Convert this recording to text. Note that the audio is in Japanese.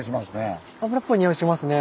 油っぽいにおいしますね。